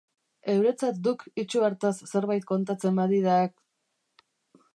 Heuretzat duk itsu hartaz zerbait kontatzen badidak...